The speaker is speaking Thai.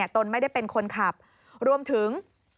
ตนไม่ได้เป็นคนขับรวมถึง